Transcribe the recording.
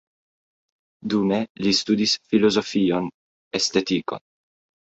Dume li studis filozofion, estetikon.